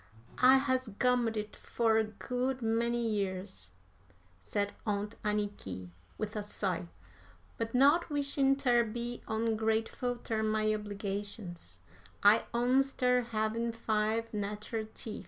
"I has gummed it fur a good many ye'rs," said Aunt Anniky, with a sigh; "but not wishin' ter be ongrateful ter my obligations, I owns ter havin' five nateral teef.